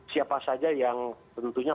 siapa saja yang tentunya